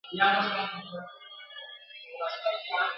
مُلا را ووزي مرد میدان سي ..